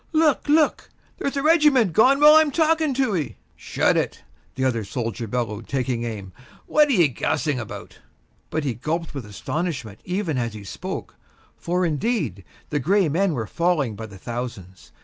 Look! look! there's a regiment gone while I'm talking to ye." "Shut it!" the other soldier bellowed, taking aim, "what are ye gassing about?" But he gulped with astonishment even as he spoke, for, indeed, the gray men were falling by the thousands.